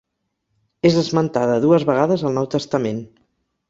És esmentada dues vegades al Nou Testament.